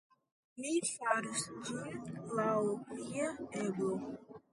Mi faros ĝin laŭ mia eblo.